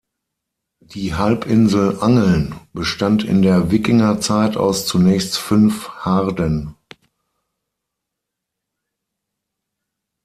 Die Halbinsel Angeln bestand in der Wikingerzeit aus zunächst fünf Harden.